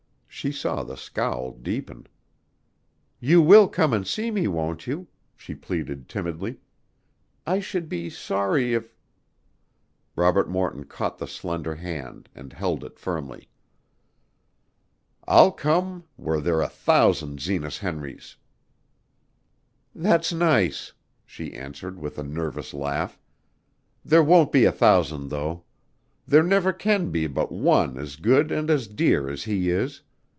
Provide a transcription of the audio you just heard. She saw the scowl deepen. "You will come and see me, won't you?" she pleaded timidly. "I should be sorry if " Robert Morton caught the slender hand and held it firmly. "I'll come were there a thousand Zenas Henrys!" "That's nice!" she answered with a nervous laugh. "There won't be a thousand, though. There never can be but one as good and as dear as he is!